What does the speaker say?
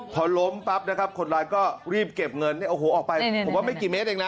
พอล้มปั๊บนะครับคนร้ายก็รีบเก็บเงินเนี่ยโอ้โหออกไปผมว่าไม่กี่เมตรเองนะ